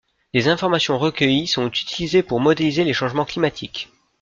Les informations recueillies sont utilisées pour modéliser les changements climatiques.